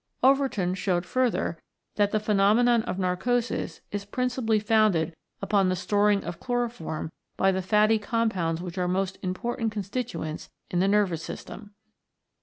Overton showed further that the phenomenon of narcosis is principally founded upon the storing of chloroform by the fatty com pounds which are most important constituents in the nervous system.